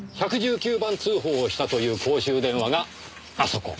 １１９番通報をしたという公衆電話があそこ。